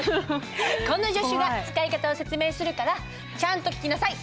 この助手が使い方を説明するからちゃんと聞きなさい。